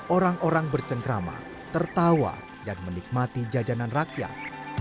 orang orang bercengkrama tertawa dan menikmati jajanan rakyat